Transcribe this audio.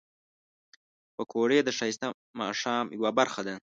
پکورې د ښایسته ماښام یو برخه ده